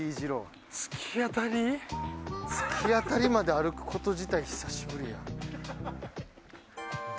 突き当たりまで歩くこと自体久しぶり。